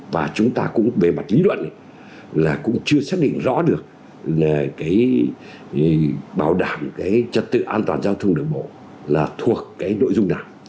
và chúng ta cũng bề mặt lý luận là cũng chưa xác định rõ được là cái bảo đảm cái trật tự an toàn giao thông đường bộ là thuộc cái nội dung nào